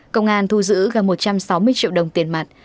công an thu giữ gần một trăm sáu mươi triệu đồng tiền mặt